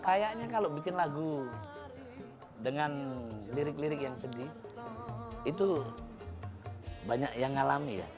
kayaknya kalau bikin lagu dengan lirik lirik yang sedih itu banyak yang ngalami ya